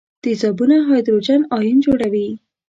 تیزابونه هایدروجن ایون جوړوي.